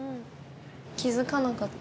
気付かなかった。